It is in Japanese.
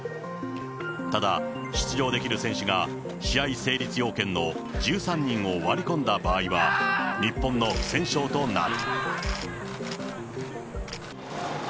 ただ、出場できる選手が試合成立要件の１３人を割り込んだ場合は、日本の不戦勝となる。